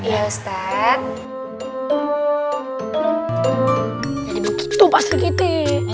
jadi begitu pak sri kiti